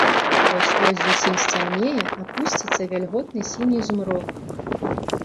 Вось-вось зусім сцямнее, апусціцца вільготны сіні змрок.